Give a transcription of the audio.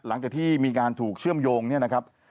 หลังจากที่มีการถูกเชื่อมโยงเนี่ยนะครับ